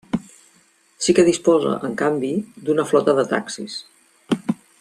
Sí que disposa, en canvi, d'una flota de taxis.